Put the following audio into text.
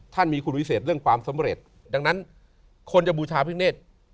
มีคุณวิเศษเรื่องความสำเร็จดังนั้นคนจะบูชาพิกเนธ